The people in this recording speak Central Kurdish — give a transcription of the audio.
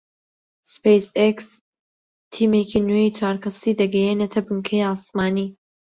سپەیس ئێکس تیمێکی نوێی چوار کەسی دەگەیەنێتە بنکەی ئاسمانی